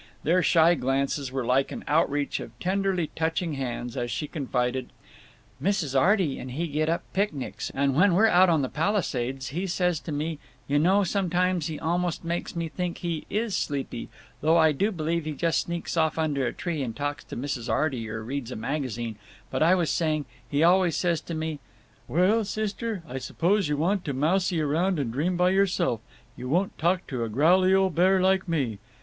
Their shy glances were like an outreach of tenderly touching hands as she confided, "Mrs. Arty and he get up picnics, and when we're out on the Palisades he says to me—you know, sometimes he almost makes me think he is sleepy, though I do believe he just sneaks off under a tree and talks to Mrs. Arty or reads a magazine—but I was saying: he always says to me, 'Well, sister, I suppose you want to mousey round and dream by yourself—you won't talk to a growly old bear like me.